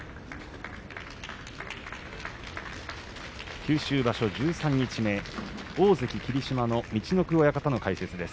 九州場所、十三日目大関霧島の陸奥親方の解説です。